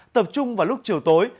tập trung vào lúc chiều tối